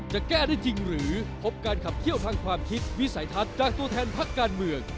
จะแก้ได้จริงหรือพบการขับเคี่ยวทางความคิดวิสัยทัศน์จากตัวแทนพักการเมือง